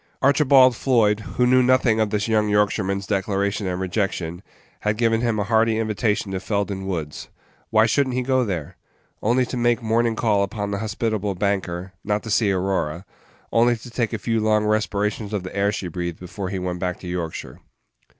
Archibald Floyd, who knew nothing of this young Yorkshireman's declaration and rejection, had given him a hearty invitation to Felden Page 39 Woods. Why should n't he go there? Only to make a morning call upon the hospitable banker; not to see Aurora; only to take a few long respirations of the air she breathed before he went back to Yorkshire.